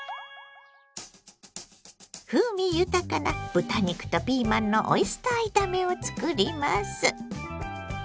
風味豊かな豚肉とピーマンのオイスター炒めをつくります。